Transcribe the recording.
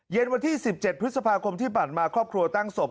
เย็นวันที่๑๗พฤษภาคมที่ผ่านมาครอบครัวตั้งศพ